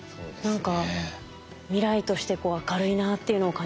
何か未来として明るいなっていうのを感じました。